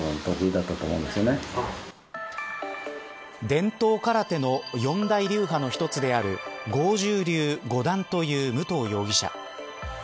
伝統空手の四大流派の一つである剛柔流五段という武藤容疑者。